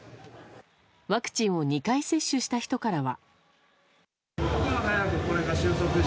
ワクチンを２回接種した人からは。